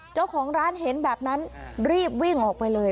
เจ้าของร้านเห็นแบบนั้นรีบวิ่งออกไปเลย